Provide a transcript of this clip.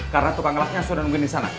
karena tukang gelapnya sudah nungguin disana